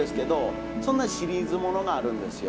そんなシリーズ物があるんですよ。